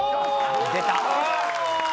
出た！